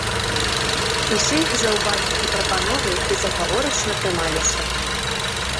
Усе іх заўвагі і прапановы безагаворачна прымаліся.